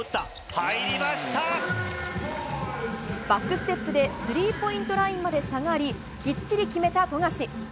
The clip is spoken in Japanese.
バックステップでスリーポイントラインまで下がりきっちり決めた富樫。